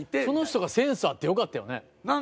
その人がセンスあってよかったよね。